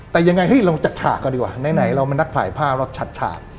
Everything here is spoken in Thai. แต่ยังไงเฮ้ยเราจัดฉากก็ดีกว่าไหนเราเป็นนักถ่ายภาพเราฉัดฉาก